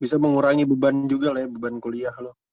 bisa mengurangi beban juga lah ya beban kuliah loh